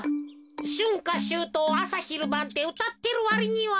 「しゅんかしゅうとうあさひるばん」ってうたってるわりには。